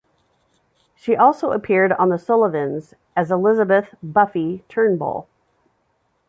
She also appeared on The Sullivans, as Elizabeth "Buffy" Turnbull.